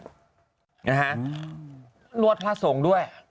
นะฮะนวดพระสงฆ์ด้วย